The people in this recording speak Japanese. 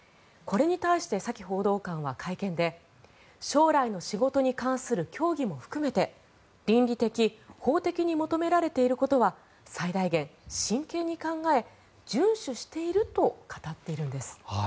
これに対してサキ報道官は会見で将来の仕事に関する協議も含めて倫理的、法的に求められていることは最大限真剣に考え順守していると語っているんです。